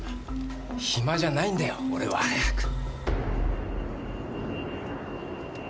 暇じゃないんだよ俺は。早く！